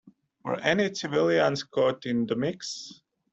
Were any civilians caught in the mix?